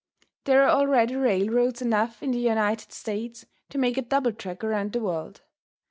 There are already railroads enough in the United States to make a double track around the world.